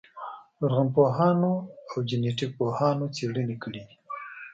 لرغونپوهانو او جنټیک پوهانو څېړنې کړې دي.